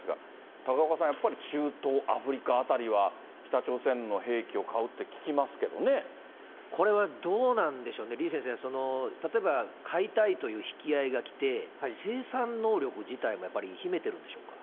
高岡さん、やっぱり中東、アフリカ辺りは北朝鮮の兵器を買うってこれはどうなんでしょうね、李先生、例えば買いたいという引き合いが来て、生産能力自体もやっぱり秘めてるんでしょうか。